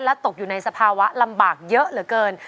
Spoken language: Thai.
ตกอยู่ในสภาวะลำบากเยอะเหลือเกิน